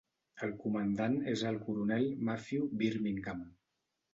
El comandant és el coronel Matthew Birmingham.